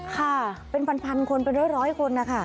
ค่ะเป็นพันคนเป็นร้อยคนนะคะ